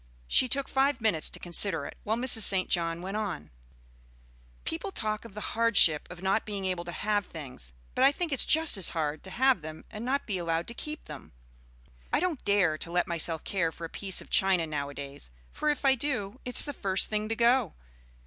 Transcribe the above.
She took five minutes to consider it, while Mrs. St. John went on: "People talk of the hardship of not being able to have things; but I think it's just as hard to have them and not be allowed to keep them. I don't dare to let myself care for a piece of china nowadays, for if I do it's the first thing to go.